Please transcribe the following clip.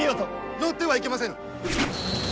乗ってはいけませぬ！